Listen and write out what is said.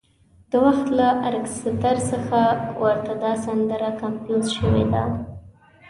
د وخت له ارکستر څخه ورته دا سندره کمپوز شوې ده.